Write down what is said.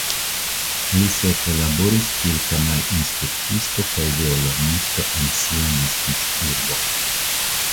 Li sekve laboris kiel kanalinspektisto kaj violonisto en sia naskiĝurbo.